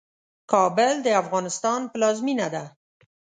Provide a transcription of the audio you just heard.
کابل د افغانستان پلازمينه ده.